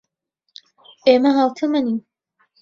ئێمە ھاوتەمەنین.